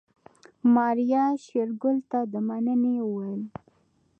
ماريا شېرګل ته د مننې وويل.